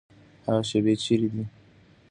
هغه شیبې چیري دي؟